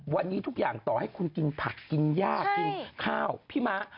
วันนี้ทุกอย่างต่อให้คุณกินผักกินย่ากินข้าวพี่ม้า